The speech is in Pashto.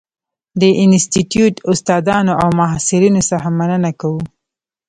د انسټیټوت استادانو او محصلینو څخه مننه کوو.